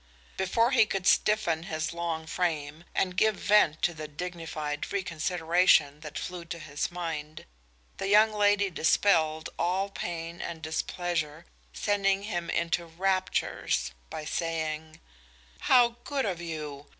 Before he could stiffen his long frame and give vent to the dignified reconsideration that flew to his mind, the young lady dispelled all pain and displeasure, sending him into raptures, by saying: "How good of you!